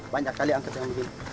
banyak kali angkat dengan begini